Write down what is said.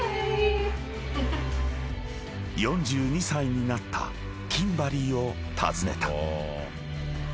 ［４２歳になったキンバリーを訪ねた］